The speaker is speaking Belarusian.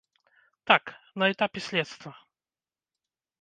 Так, на этапе следства.